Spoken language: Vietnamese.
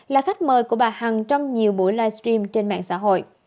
là khách mời của bà hằng trong nhiều buổi livestream trên mạng xã hội